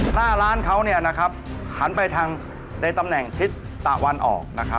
หน้าร้านเขาหันไปทางในตำแหน่งทิศตะวันออก